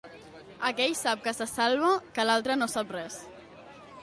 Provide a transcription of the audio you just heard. Aquell sap que se salva, que l'altre no sap res.